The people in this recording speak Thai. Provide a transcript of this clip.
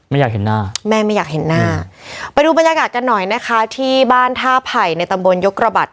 ไม่อยากเห็นหน้าแม่ไม่อยากเห็นหน้าไปดูบรรยากาศกันหน่อยนะคะที่บ้านท่าไผ่ในตำบลยกระบัด